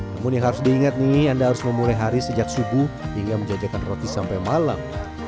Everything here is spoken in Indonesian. namun yang harus diingat nih anda harus memulai hari sejak subuh hingga menjajakan roti sampai malam